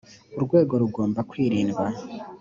urwango rugomba kwirindwa.